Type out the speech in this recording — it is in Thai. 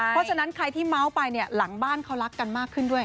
เพราะฉะนั้นใครที่เมาส์ไปเนี่ยหลังบ้านเขารักกันมากขึ้นด้วย